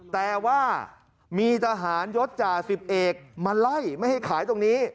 แต่ว่ามีทหารยศจ่าสิบเอกมาไล่ไม่ให้ขายตรงนี้